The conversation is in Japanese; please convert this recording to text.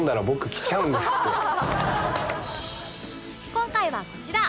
今回はこちら